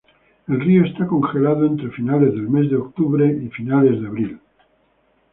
El río está congelado entre finales del mes de octubre y finales de abril.